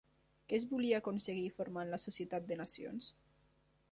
Què es volia aconseguir formant la Societat de Nacions?